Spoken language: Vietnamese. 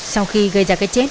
sau khi gây ra cái chết